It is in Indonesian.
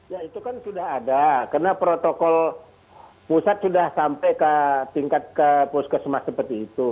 ya itu kan sudah ada karena protokol pusat sudah sampai ke tingkat ke puskesmas seperti itu